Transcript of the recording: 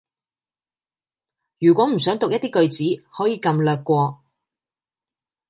如果唔想讀一啲句子，可以撳略過